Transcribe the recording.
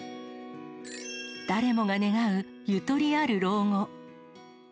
誰もが願うゆとりある老後。